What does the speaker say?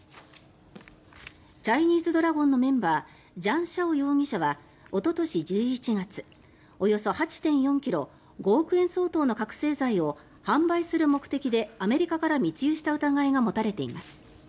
チャイニーズドラゴンのメンバージャン・シャオ容疑者はおととし１１月およそ８．４ｋｇ５億円相当の覚醒剤を販売する目的でアメリカから密輸した疑いが持たれています。